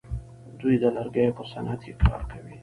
دوی د لرګیو په صنعت کې کار کوي.